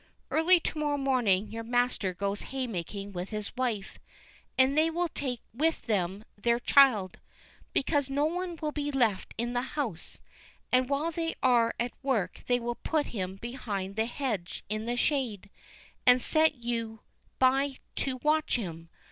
Early to morrow morning your master goes haymaking with his wife, and they will take with them their child, because no one will be left in the house, and while they are at work they will put him behind the hedge in the shade, and set you by to watch him.